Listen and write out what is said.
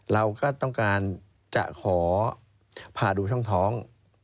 เราก็ต้องการจะขอพาดูช่องท้อง